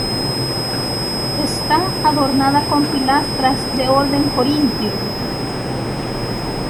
Está adornada con pilastras de orden corintio.